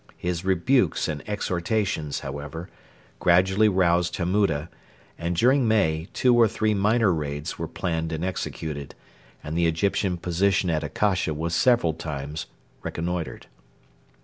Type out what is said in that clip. His rebukes and exhortations, however, gradually roused Hammuda, and during May two or three minor raids were planned and executed, and the Egyptian position at Akasha was several times reconnoitred.